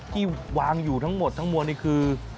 ที่วางอยู่ทั้งหมดทั้งมวลนี่คือ